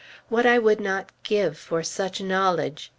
What would I not give for such knowledge!